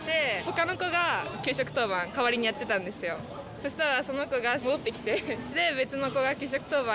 そしたら。